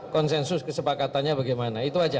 konsensus kesepakatannya bagaimana itu aja